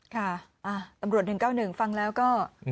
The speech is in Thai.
ค่ะตำรวจ๑๙๑ฟังแล้วก็